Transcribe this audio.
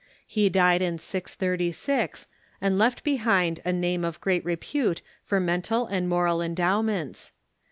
He died in 636, Decretals am]^ |gft; behind a name of great repute for mental and moral endowments.